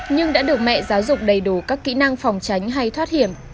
nhưng đã được mẹ giáo dục đầy đủ các kỹ năng phòng tránh hay thoát hiểm